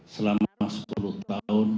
selama sepuluh tahun